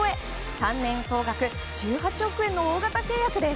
３年総額１８億円の大型契約です。